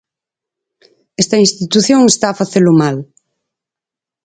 Esta institución está a facelo mal.